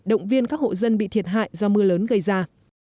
động viên các hộ dân bị thiệt hại do mưa lớn gây ra